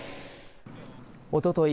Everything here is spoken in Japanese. おととい